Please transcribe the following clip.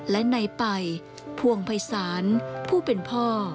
และในไปพวงภัยศาลผู้เป็นพ่อ